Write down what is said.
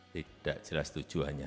tidak jelas tujuannya